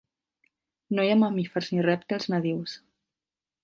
No hi ha mamífers ni rèptils nadius.